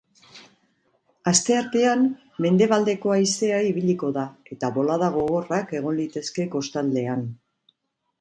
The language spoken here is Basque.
Asteartean, mendebaldeko haizea ibiliko da, eta bolada gogorrak egon litezke kostaldean.